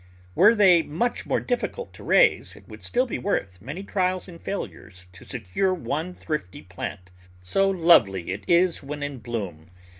Were they much more difficult to raise, it would still be worth many trials and failures to secure one thrifty plant, so lovely it is when in bloom.